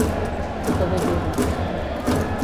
Petó de Judes.